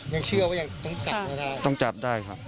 ยังเชื่อว่าต้องจับเหรอครับ